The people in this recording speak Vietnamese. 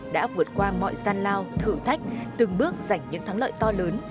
đã vượt qua mọi gian lao thử thách từng bước giành những thắng lợi to lớn